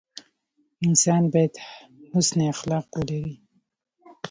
انسان باید حسن اخلاق ولري.